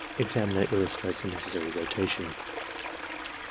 (Examiner illustrates the necessary rotation.)